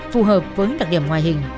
phù hợp với đặc điểm ngoài hình